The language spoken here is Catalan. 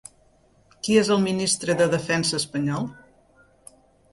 Qui és el ministre de Defensa espanyol?